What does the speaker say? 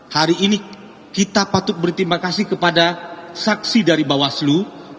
hari ini kita patut berterima kasih kepada saksi dari bawaslu